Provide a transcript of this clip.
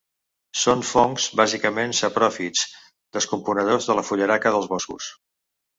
Són fongs bàsicament sapròfits, descomponedors de la fullaraca dels boscos.